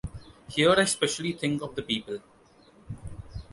Here I specially think of the people.